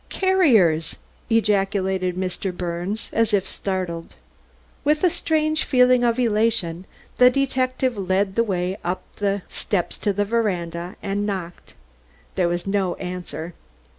"Carriers!" ejaculated Mr. Birnes, as if startled. With a strange feeling of elation the detective led the way up the steps to the veranda and knocked. There was no answer.